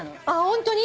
ホントに？